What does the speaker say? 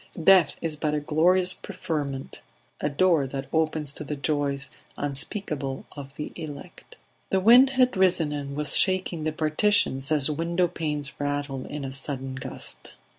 Death is but a glorious preferment, a door that opens to the joys unspeakable of the elect. The wind had risen and was shaking the Partitions as window panes rattle in a sudden gust.